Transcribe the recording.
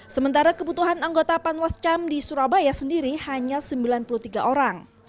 sementara kebutuhan anggota panwascam di surabaya sendiri hanya sembilan puluh tiga orang